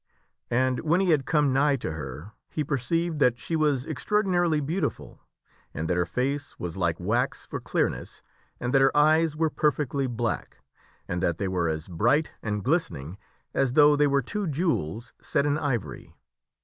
And when he KING ARTHUR MEETS A STRANGE LADY 69 had come nigh to her, he perceived that she was extraordinarily beauti ful, and that her face was like wax for clearness, and that her eyes were perfectly black, and that they were as bright and glistening as though they were two jewels set in ivory.